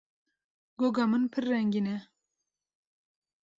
Goga min pir rengîn e.